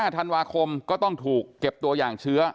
ธันวาคมก็ต้องถูกเก็บตัวอย่างเชื้อ